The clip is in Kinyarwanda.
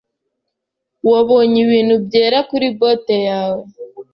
Wabonye ibintu byera kuri bote yawe.